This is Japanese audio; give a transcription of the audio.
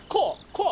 こう！